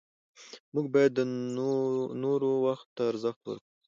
موږ باید د نورو وخت ته ارزښت ورکړو